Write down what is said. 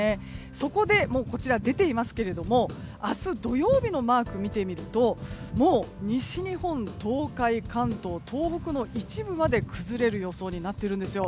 そこで明日土曜日のマークを見てみるともう西日本、東海関東、東北の一部まで崩れる予想になっているんです。